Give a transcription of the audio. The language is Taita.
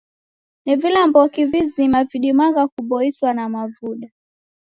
Ni vilamboki vizima vidimagha kuboiswa na mavuda?